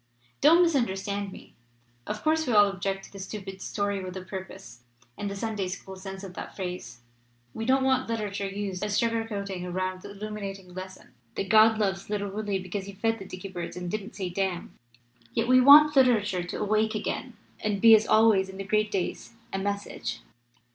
Don't misunderstand me. Of course, we all ob ject to the stupid 'story with a purpose' in the Sunday school sense of that phrase. We don't want literature used as a sugar coating around the illuminating lesson that God loves little Willie because he fed the dicky birds and didn't sayj 'damn'! Yet we want literature to awake again! and be as always in the great days a message.'